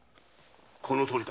このとおりだ。